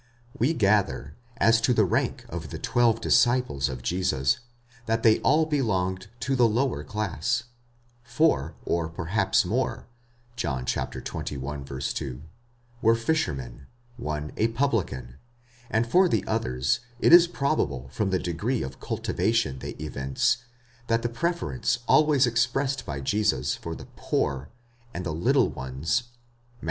We gather, as to the rank of the twelve disciples of Jesus, that they alk belonged to the lower class: four, or perhaps more (John xxi. 2), were fisher men, one a publican, and for the others, it is probable from the degree of cultivation they evince, and the preference always expressed by Jesus for the 2007 πτωχοὺς, and the little ones, νηπίους (Matt.